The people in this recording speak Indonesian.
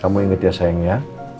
kamu inget ya sayangnya